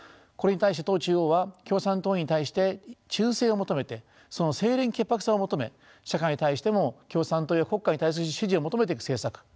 これに対して党中央は共産党員に対して忠誠を求めてその清廉潔白さを求め社会に対しても共産党や国家に対する支持を求めていく政策